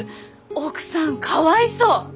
奥さんかわいそう！